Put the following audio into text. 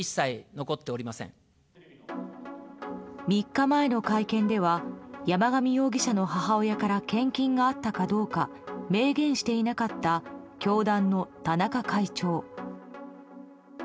３日前の会見では山上容疑者の母親から献金があったかどうか明言していなかった教団の田中会長。